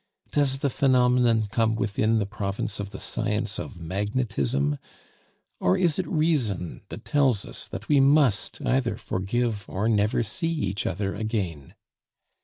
Does the phenomenon come within the province of the science of magnetism? Or is it reason that tells us that we must either forgive or never see each other again?